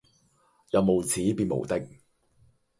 人無恥便無敵